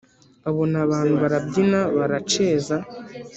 abona abantu barabyina, baraceza,